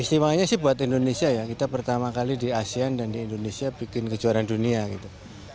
istimewanya sih buat indonesia ya kita pertama kali di asean dan di indonesia bikin kejuaraan dunia gitu